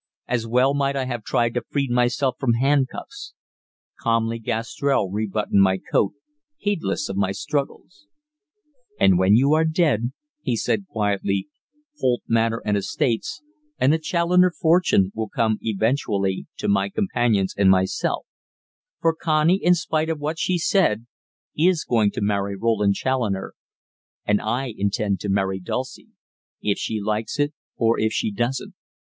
As well might I have tried to free myself from handcuffs. Calmly Gastrell rebuttoned my coat, heedless of my struggles. "And when you are dead," he said quietly, "Holt Manor and estates, and the Challoner fortune, will come eventually to my companions and myself, for Connie, in spite of what she said, is going to marry Roland Challoner, and I intend to marry Dulcie if she likes it or if she doesn't.